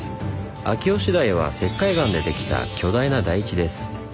秋吉台は石灰岩でできた巨大な台地です。